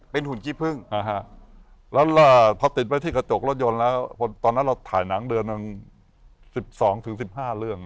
เพราะติดไปที่กระจกรถยนต์แล้วตอนนั้นเราถ่ายหนังเดือน๑๒ถึง๑๕เรื่อง